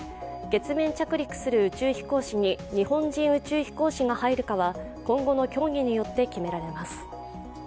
月面着陸する宇宙飛行士に日本人宇宙飛行士が入るかは今後の協議によって決められます。